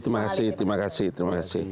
terima kasih terima kasih